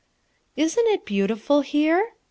" Isn't it beautiful here ?